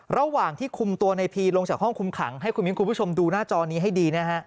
ระหว่างที่คุมตัวในพีมือลงจากห้องคุมขังให้คุณผู้ชมดูหน้าจอนี้ให้ดี